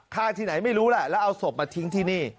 ที่ไหนไม่รู้แหละแล้วเอาศพมาทิ้งที่นี่